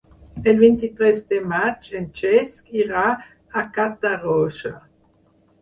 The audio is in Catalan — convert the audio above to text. El vint-i-tres de maig en Cesc irà a Catarroja.